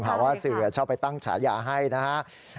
เพราะว่าเสือชอบไปตั้งฉายาให้นะฮะ